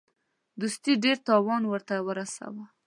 دوستي ډېر تاوان ورته ورساوه.